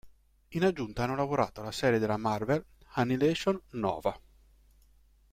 In aggiunta hanno lavorato alla serie della Marvel "Annihilation: Nova".